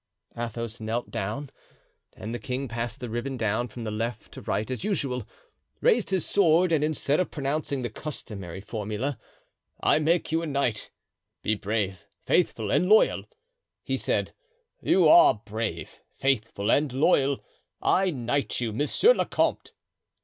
Athos knelt down and the king passed the ribbon down from left to right as usual, raised his sword, and instead of pronouncing the customary formula, "I make you a knight. Be brave, faithful and loyal," he said, "You are brave, faithful and loyal. I knight you, monsieur le comte."